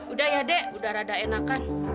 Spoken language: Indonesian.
udah ya dek udah rada enakan